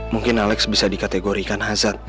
mungkin alex bisa dikategorikan hazard